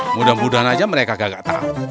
mudah mudahan aja mereka gak tau